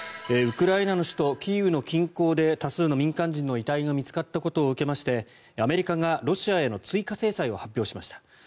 ウクライナの首都キーウの近郊で多数の民間人の遺体が見つかったことを受けましてアメリカがロシアへの追加制裁を発表しました。